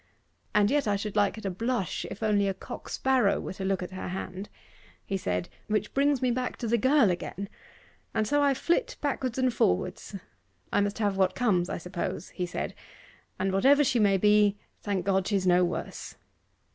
"And yet I should like her to blush if only a cock sparrow were to look at her hard," he said, "which brings me back to the girl again: and so I flit backwards and forwards. I must have what comes, I suppose," he said, "and whatever she may be, thank God she's no worse.